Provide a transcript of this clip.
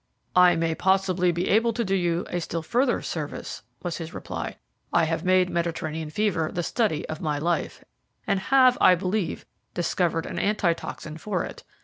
"I may possibly be able to do you a still further service," was his reply. "I have made Mediterranean fever the study of my life, and have, I believe, discovered an antitoxin for it.